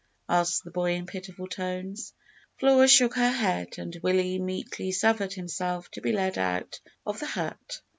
asked the boy, in pitiful tones. Flora shook her head, and Willie meekly suffered himself to be led out of the hut.